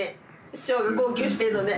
師匠が号泣してんのね。